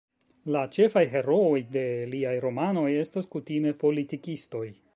La ĉefaj herooj de liaj romanoj estas kutime politikistoj.